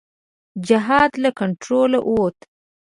جهاد له کنټروله ووت.